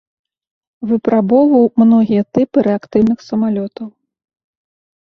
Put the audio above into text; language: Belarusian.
Выпрабоўваў многія тыпы рэактыўных самалётаў.